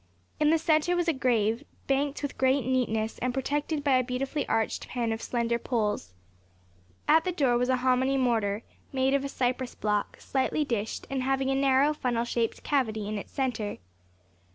In the centre was a grave, banked with great neatness, and protected by a beautifully arched pen of slender poles. At the door was a hominy mortar, made of a cypress block, slightly dished, and having a narrow, funnel shaped cavity in its centre.